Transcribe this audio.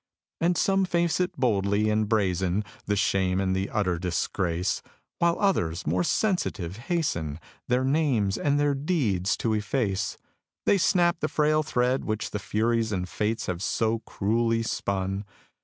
And some face it boldly, and brazen The shame and the utter disgrace; While others, more sensitive, hasten Their names and their deeds to efface. They snap the frail thread which the Furies And Fates have so cruelly spun.